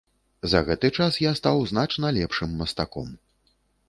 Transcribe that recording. За гэты час я стаў значна лепшым мастаком.